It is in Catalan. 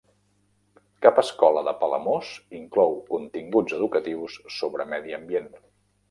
Cap escola de Palamós inclou continguts educatius sobre medi ambient.